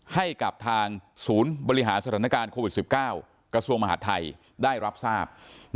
ให้กับทางศูนย์บริหารสถานการณ์โควิด๑๙กระทรวงมหาดไทยได้รับทราบ